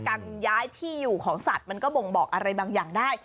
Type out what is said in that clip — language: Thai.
การย้ายที่อยู่ของสัตว์มันก็บ่งบอกอะไรบางอย่างได้